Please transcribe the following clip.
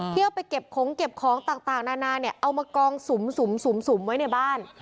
พี่เอาไปเก็บของเก็บของต่างนานเอามากองสุ่มสุ่มไว้ในบ้าน